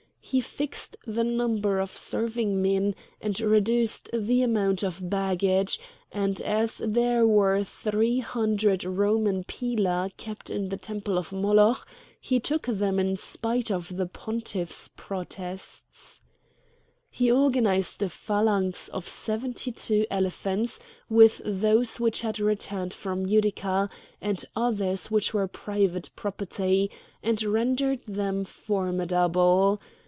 He fixed the number of serving men, and reduced the amount of baggage; and as there were three hundred Roman pila kept in the temple of Moloch, he took them in spite of the pontiff's protests. He organised a phalanx of seventy two elephants with those which had returned from Utica, and others which were private property, and rendered them formidable.